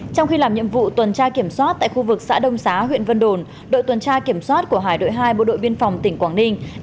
trong khi làm nhiệm vụ tuần tra kiểm soát tại khu vực xã đông xá huyện vân đồn đội tuần tra kiểm soát của hải đội hai bộ đội biên phòng tỉnh quảng ninh